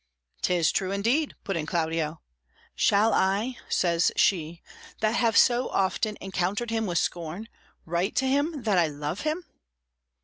"'Tis true indeed," put in Claudio. "'Shall I,' says she, 'that have so often encountered him with scorn, write to him that I love him?